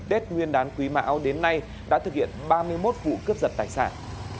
tết nguyên đán quý mão đến nay đã thực hiện ba mươi một vụ cướp giật tài sản